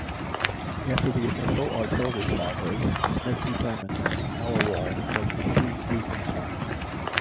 After the initial artillery salvoes, Smith determined that Aliwal was the Sikh weak point.